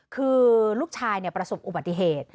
คือลูกชายประสบอุบัติเหตุ